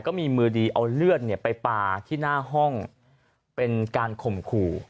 ก็มีมือดีเอาเลือดไปปลาที่หน้าห้องเป็นการข่มขู่